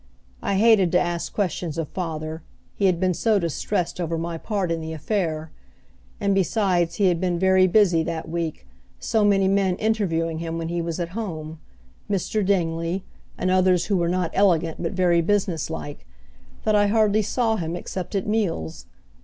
I hated to ask questions of father, he had been so distressed over my part in the affair; and besides he had been very busy that week, so many men interviewing him when he was at home Mr. Dingley, and others who were not elegant, but very businesslike that I hardly saw him except at meals.